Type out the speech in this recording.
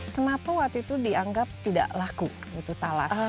kenapa waktu itu dianggap tidak laku itu talas